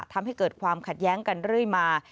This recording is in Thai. ทำให้เกิดความขัดแย้งกันเรื่อยมา